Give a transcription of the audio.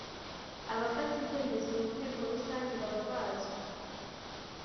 abafata Ibyemezo mu Nteko Rusange baba bazwi